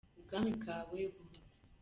Ubwami bwawe buze